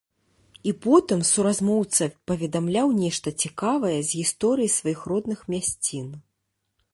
І потым суразмоўца паведамляў нешта цікавае з гісторыі сваіх родных мясцін.